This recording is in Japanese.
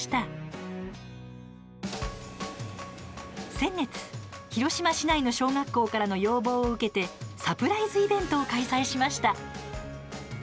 先月、広島市内の小学校からの要望を受けてサプライズイベントを開催しました。